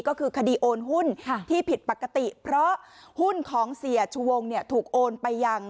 ก็คือคดีโอนหุ้นที่ผิดปกติเพราะหุ้นของเสียชูวงถูกโอนไปยัง